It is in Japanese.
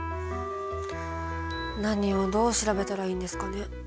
何をどう調べたらいいんですかね。